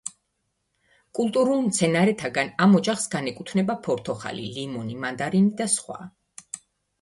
კულტურულ მცენარეთაგან ამ ოჯახს განეკუთვნება ფორთოხალი, ლიმონი, მანდარინი და სხვა.